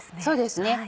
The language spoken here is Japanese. そうですね。